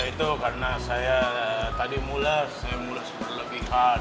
nah itu karena saya tadi mulas saya mulas berlebih kan